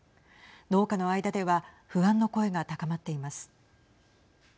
農家の間では不安の声が高まっています。